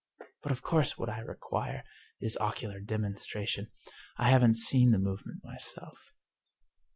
But of course what I require is ocular demonstration. I haven't seen the move ment myself."